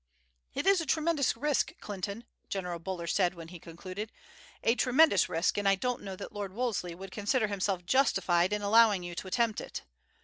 "It is a tremendous risk, Clinton," General Buller said when he concluded; "a tremendous risk, and I don't know that Lord Wolseley would consider himself justified in allowing you to attempt it.